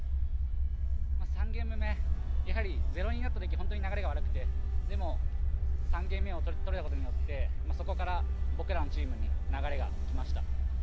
３ゲーム目やはり０−２になった時かなり流れが悪くてでも３ゲーム目を取れたことによって僕らのチームに流れが来ました。